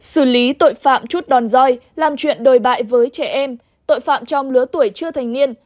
xử lý tội phạm chút đòn roi làm chuyện đồi bại với trẻ em tội phạm trong lứa tuổi chưa thành niên